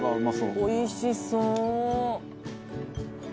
おいしそう！